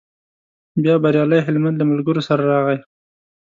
بیا بریالی هلمند له ملګرو سره راغی.